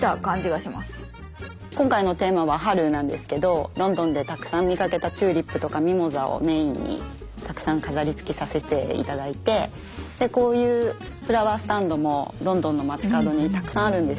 ほんとにロンドンでたくさん見かけたチューリップとかミモザをメインにたくさん飾りつけさせて頂いてこういうフラワースタンドもロンドンの街角にたくさんあるんですよ。